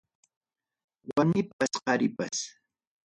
Warmipas qaripas.